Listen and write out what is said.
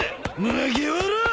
麦わらぁ！